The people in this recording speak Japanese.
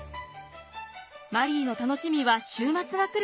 マリーの楽しみは週末が来ること。